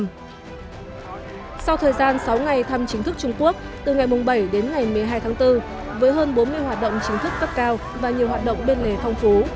sau thời gian sáu ngày thăm chính thức trung quốc từ ngày bảy đến ngày một mươi hai tháng bốn với hơn bốn mươi hoạt động chính thức cấp cao và nhiều hoạt động bên lề phong phú